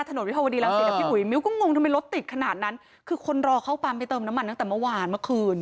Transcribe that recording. วิภาวดีรังศิษอ่ะพี่อุ๋ยมิ้วก็งงทำไมรถติดขนาดนั้นคือคนรอเข้าปั๊มไปเติมน้ำมันตั้งแต่เมื่อวานเมื่อคืน